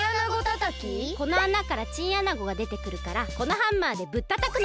このあなからチンアナゴがでてくるからこのハンマーでぶったたくの。